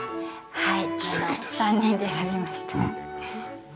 はい。